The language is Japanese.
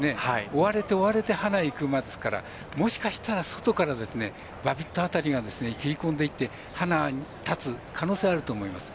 追われて追われてハナへいく馬ですからもしかしたら外からバビット辺りが切り込んでいってハナ立つ可能性あると思います。